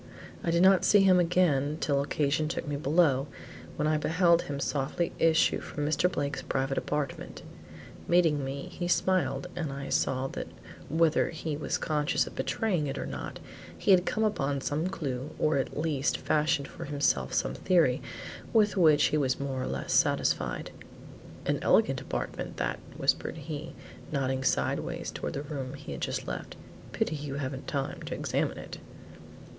I did not see him again till occasion took me below, when I beheld him softly issue from Mr. Blake's private apartment. Meeting me, he smiled, and I saw that whether he was conscious of betraying it or not, he had come upon some clue or at the least fashioned for himself some theory with which he was more or less satisfied. "An elegant apartment, that," whispered he, nodding sideways toward the room he had just left, "pity you haven't time to examine it."